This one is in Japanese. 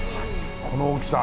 この大きさ。